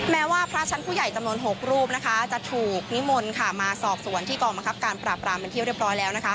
แม้ว่าพระชั้นผู้ใหญ่จำนวน๖รูปจะถูกนิมนต์มาสอบสวนที่กองบังคับการปราบรามเป็นที่เรียบร้อยแล้ว